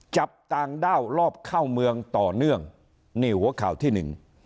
จับต่างด้าวรอบเข้าเมืองต่อเนื่องนี่หัวข่าวที่หนึ่ง